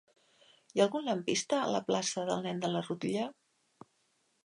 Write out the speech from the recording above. Hi ha algun lampista a la plaça del Nen de la Rutlla?